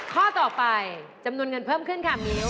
ข้อต่อไปจำนวนเงินเพิ่มขึ้นค่ะมิ้ว